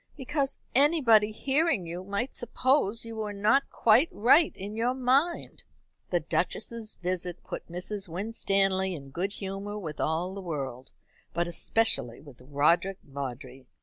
"Because anybody hearing you might suppose you were not quite right in your mind." The Duchess's visit put Mrs. Winstanley in good humour with all the world, but especially with Roderick Vawdrey.